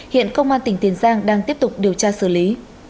hiện công an tỉnh tiền giang đang tiếp tục điều tra xử lý